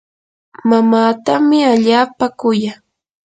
mamaatami allaapa kuya.